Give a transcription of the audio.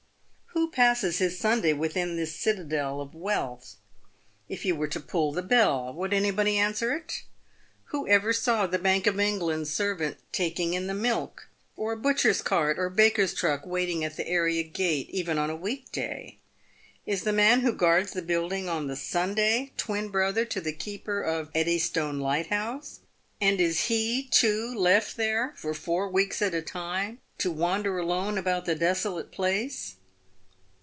"Who passes his Sunday within this citadel of wealth ? If you were to pull the bell, would anybody answer it ? Who ever saw the Bank of England servant taking in the milk ? or a butcher's cart or baker's truck waiting at the area gate, even on a week day ? Is the man who guards the building on the Sunday twin brother to the keeper of Eddy stone. Lighthouse ? and is he too left there for four weeks at a time to wander alone about the desolate place